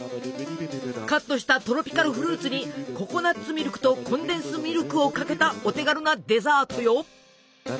カットしたトロピカルフルーツにココナツミルクとコンデンスミルクをかけたお手軽なデザートよ。